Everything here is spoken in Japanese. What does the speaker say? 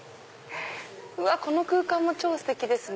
この空間も超ステキですね。